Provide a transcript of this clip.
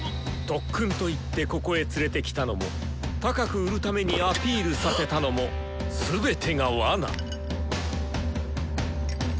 特訓と言ってここへ連れてきたのも高く売るためにアピールさせたのも全てがわな！